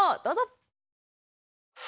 どうぞ！